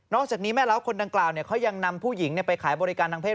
จากนี้แม่เล้าคนดังกล่าวเขายังนำผู้หญิงไปขายบริการทางเศษ